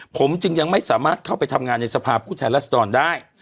ผมจึงยังไม่สามารถเข้าไปทำงานในสภาพผู้แทนรัศดรได้